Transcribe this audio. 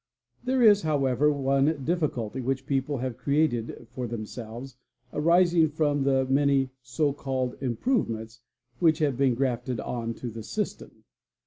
There is however one difficulty which people have created for them selves, arising from the many so called "improvements"? which have been grafted on to the system.